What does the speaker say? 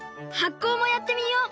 こうもやってみよう！